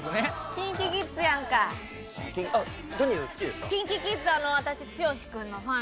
ＫｉｎＫｉＫｉｄｓ私剛君のファンやってん。